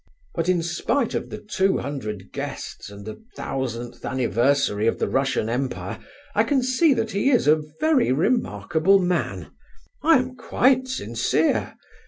But in spite of the two hundred guests and the thousandth anniversary of the Russian Empire, I can see that he is a very remarkable man. I am quite sincere.